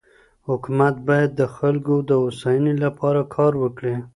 حکومت بايد د خلګو د هوساینې لپاره کار وکړي.